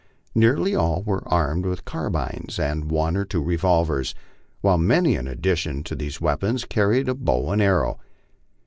Nearly all were armed with carbines and one or two revolvers, while many in addition to these weap ons carried the bow and arrow.